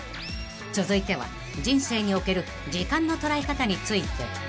［続いては人生における時間の捉え方について］